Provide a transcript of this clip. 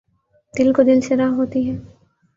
دل کو دل سے راہ ہوتی ہے